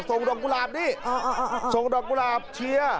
ส่งดอกกุหลาบนี่ส่งดอกกุหลาบเชียร์